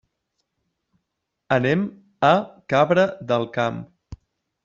Anem a Cabra del Camp.